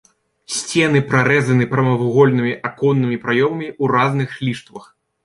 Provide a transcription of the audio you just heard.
Сцены прарэзаны прамавугольнымі аконнымі праёмамі ў разных ліштвах.